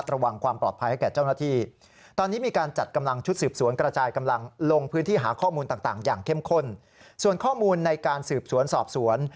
ส่วนข้อมูลในการสืบสวนสอบสวนได้รับข้อมูลจากประชาชน